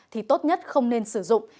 thì tốt nhất không nên sử dụng